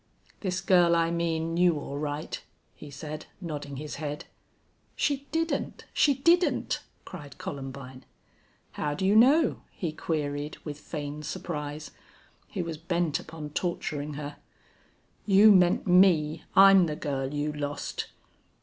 "This girl I mean knew, all right," he said, nodding his head. "She didn't she didn't!" cried Columbine. "How do you know?" he queried, with feigned surprise. He was bent upon torturing her. "You meant me. I'm the girl you lost!"